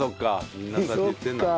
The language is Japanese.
みんなそうやって言ってるんだろうな。